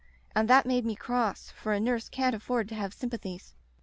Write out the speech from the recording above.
And that made me cross, for a nurse can't afford to have sympathies.